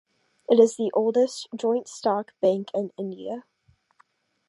It is the oldest joint stock bank in India.